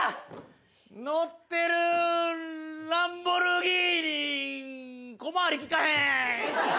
乗ってるランボルギーニ小回り利かへん。